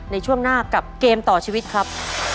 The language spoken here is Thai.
ในช่วงหน้ากับเกมต่อชีวิตครับ